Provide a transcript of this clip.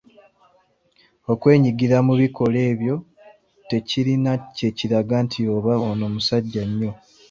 Okwenyigira mu bikolwa ebyo tekirina kye kiraga nti oba ono musajja nnyo.